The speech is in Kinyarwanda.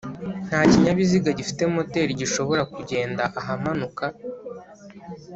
nta kinyabiziga gifite moteri gishobora kugenda ahamanuka